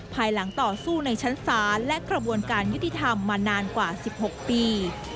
ภายหลังต่อสู้ในชั้นศาลและกระบวนการยุติธรรมมานานกว่า๑๖ปี